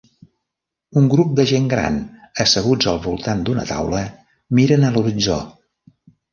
Un grup de gent gran asseguts al voltant d'una taula miren a l'horitzó.